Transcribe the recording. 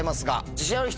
自信ある人？